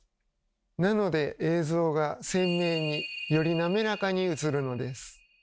なので映像が鮮明により滑らかに映るのです。